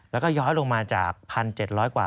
แล้วก็ย้อยลงมาจาก๑๗๐๐กว่า